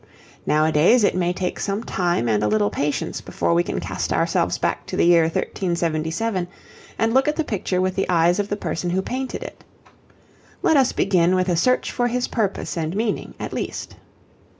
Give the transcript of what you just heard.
Nowadays it may take some time and a little patience before we can cast ourselves back to the year 1377 and look at the picture with the eyes of the person who painted it. Let us begin with a search for his purpose and meaning at least.